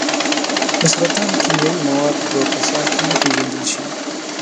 د سرطان کیمیاوي مواد به په ساه کې وپیژندل شي.